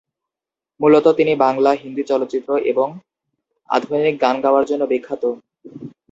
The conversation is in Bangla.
মূলত তিনি বাংলা, হিন্দি চলচ্চিত্র এবং আধুনিক গান গাওয়ার জন্য বিখ্যাত।